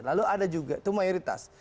lalu ada juga itu mayoritas